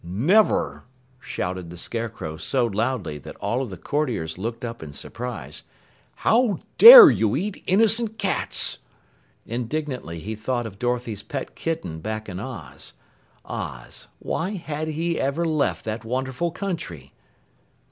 "Never!" shouted the Scarecrow so loudly that all of the Courtiers looked up in surprise. "How dare you eat innocent cats?" Indignantly he thought of Dorothy's pet kitten back in Oz. Oz why had he ever left that wonderful country?